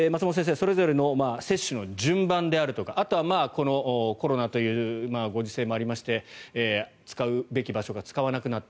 それぞれの接種の順番であるとかあとはコロナというご時世もありまして使うべき場所が使わなくなった。